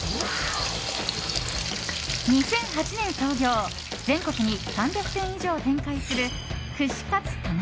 ２００８年創業全国に３００店以上展開する串カツ田中！